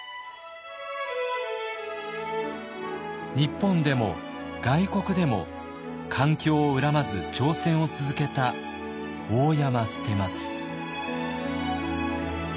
日本でも外国でも環境を恨まず挑戦を続けた大山捨松。